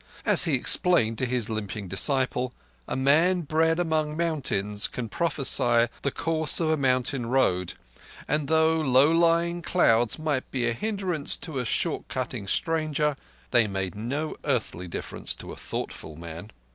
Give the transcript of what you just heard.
As he explained to his limping disciple, a man bred among mountains can prophesy the course of a mountain road, and though low lying clouds might be a hindrance to a short cutting stranger, they made no earthly difference to a thoughtful man.